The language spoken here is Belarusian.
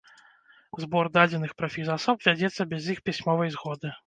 Збор дадзеных пра фізасоб вядзецца без іх пісьмовай згоды.